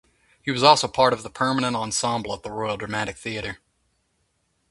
He was also part of the permanent ensemble at the Royal Dramatic Theatre.